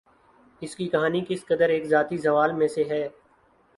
اس کی کہانی کسی قدر ایک ذاتی زوال میں سے ہے